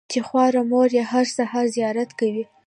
چې خواره مور یې هره سهار زیارت کوي.